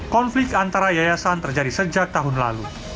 konflik antara yayasan terjadi sejak tahun lalu